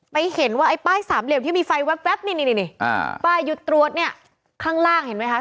เห็นว่าไอ้ป้ายสามเหลี่ยมที่มีไฟแว๊บนี่ป้ายหยุดตรวจเนี่ยข้างล่างเห็นไหมคะ